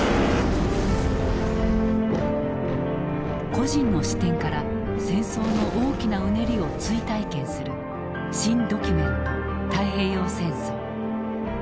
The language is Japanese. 個人の視点から戦争の大きなうねりを追体験する「新・ドキュメント太平洋戦争」。